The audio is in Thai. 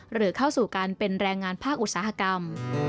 หรือเข้าสู่การเป็นแรงงานภาคอุตสาหกรรม